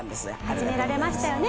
始められましたよね